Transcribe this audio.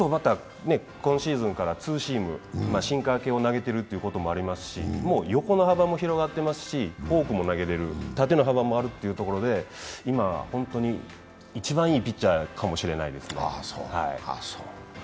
今シーズンからツーシームシンカー系を投げてることもあって横の幅も広がってるし、フォークも投げれる、縦の幅もあるというところで、今、一番いいピッチャーかもしれないですね。